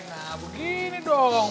nah begini dong